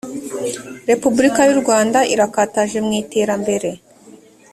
repubulika y u rwanda irakataje mwiterambere